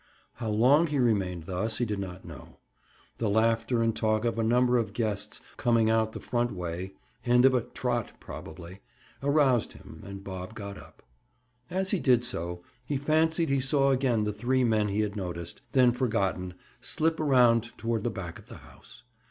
How long he remained thus, he did not know. The laughter and talk of a number of guests, coming out the front way (end of a "trot," probably) aroused him and Bob got up. As he did so, he fancied he saw again the three men he had noticed, then forgotten, slip around toward the back of the house.